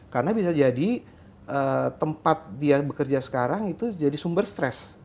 karena bisa jadi tempat dia bekerja sekarang itu jadi sumber stress